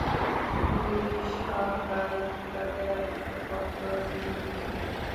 তিনি ব্রিটিশ সরকার এবং তাদের আইনের কট্টর বিরোধী ছিলেন ।